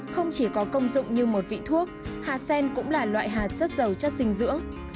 không chỉ có công dụng như một vị thuốc hạt sen cũng là loại hạt rất giàu chất dinh dưỡng